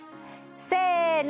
せの。